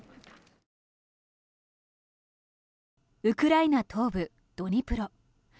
ウクライナ東部ドニプロ。